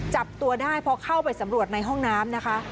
จับตัวได้พอเข้าไปสำรวจในห้องน้ำนะคะ